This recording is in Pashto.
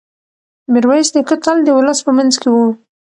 میرویس نیکه تل د ولس په منځ کې و.